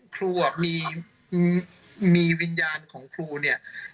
ครูมีวิญญาณของครูเนี่ย